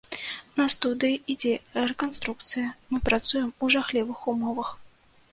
На студыі ідзе рэканструкцыя, мы працуем у жахлівых умовах.